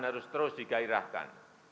harus terus digairahkan